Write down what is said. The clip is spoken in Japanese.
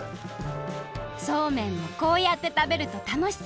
そうめんもこうやってたべるとたのしさ